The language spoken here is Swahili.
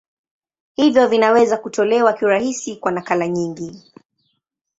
Hivyo vinaweza kutolewa kirahisi kwa nakala nyingi.